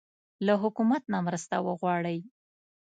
له حکومت نه مرسته غواړئ؟